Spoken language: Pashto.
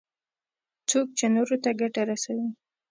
څوک چې نورو ته ګټه رسوي.